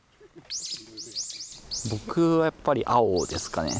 僕はやっぱり青ですかね。